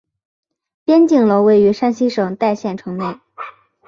边靖楼位于山西省代县城内。